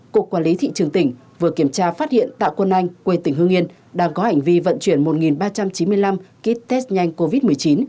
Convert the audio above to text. cục quản lý thị trường tỉnh vừa kiểm tra phát hiện tạ quân anh quê tỉnh hương yên đang có hành vi vận chuyển một ba trăm chín mươi năm kit test nhanh covid một mươi chín